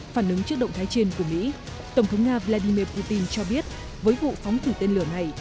phản ứng trước động thái trên của mỹ tổng thống nga vladimir putin cho biết với vụ phóng thử tên lửa này